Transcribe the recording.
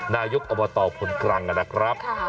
นายกอบตพลกรังนะครับค่ะ